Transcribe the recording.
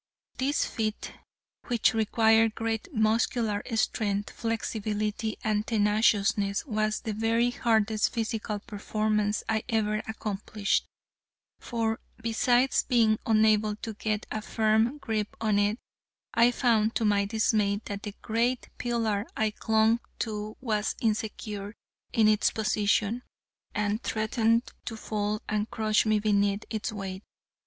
This feat, which required great muscular strength, flexibility, and tenaciousness, was the very hardest physical performance I ever accomplished, for, besides being unable to get a firm grip on it, I found, to my dismay, that the great pillar I clung to was insecure in its position, and threatened to fall and crush me beneath its weight.